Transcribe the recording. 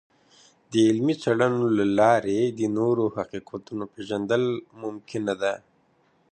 د علمي څیړنو له لارې د نوو حقیقتونو پیژندل ممکنه ده.